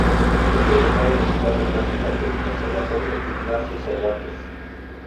Es egresado de guitarra clásica por el conservatorio "Ignacio Cervantes".